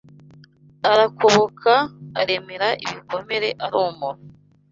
Arakoboka aremera Ibikomere aromora